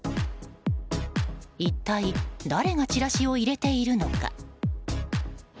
一体誰がチラシを入れているのか。